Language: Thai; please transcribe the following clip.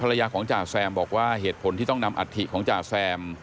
ภรรยาของจ่าแซมบอกว่าเหตุผลที่ต้องนำอัฐิของจ่าแซม